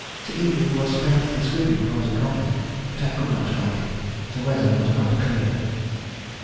The evening was spent in sweeping for the comet, but I could not find it, the weather was not clear.